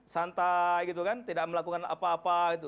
santai tidak melakukan apa apa